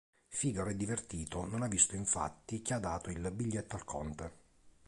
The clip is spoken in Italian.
Figaro è divertito: non ha visto, infatti, chi ha dato il bigliettino al Conte.